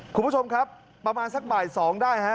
คุณผู้ชมครับประมาณสักบ่าย๒ได้ฮะ